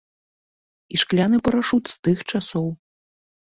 І шкляны парашут з тых часоў.